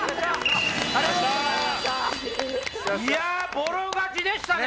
ボロ勝ちでしたね！